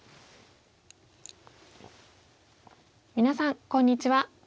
皆さんこんにちは。